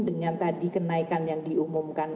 dengan tadi kenaikan yang diumumkan